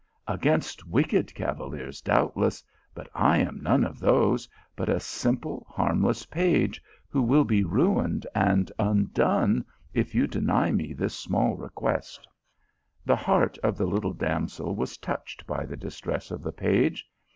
" Against wicked cavaliers, doubtless ; but I am none of those, but a simple, harmless page, who will be ruined and undone if you deny me this small re quest." The heart of the little damsel was touched by the distress of the page.